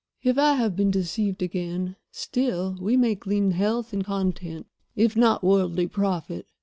If I have been deceived again, still we may glean health and content, if not worldly profit.